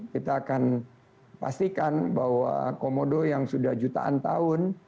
kita akan pastikan bahwa komodo yang sudah jutaan tahun